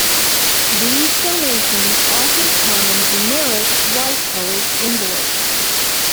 These donations often come in generic, white-colored envelopes.